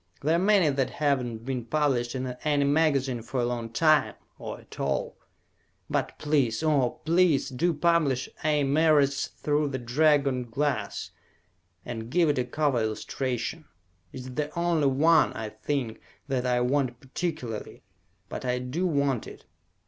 There are many that have not been published in any magazine for a long time, or at all. But please, oh please, do publish A. Merritt's "Through the Dragon Glass," and give it a cover illustration. It is the only one, I think, that I want particularly, but I do want it!